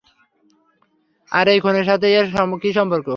আর এই খুনের সাথে এর কী সম্পর্ক?